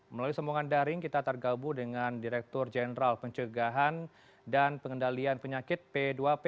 melalui sambungan daring kita tergabung dengan direktur jenderal pencegahan dan pengendalian penyakit p dua p